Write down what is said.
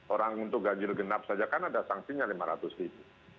orang untuk gajil genap saja kan ada sanksinya rp lima ratus